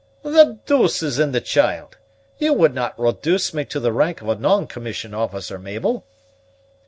"The deuce is in the child! you would not reduce me to the rank of a non commissioned officer, Mabel?"